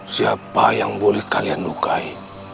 siapa yang boleh kalian dukai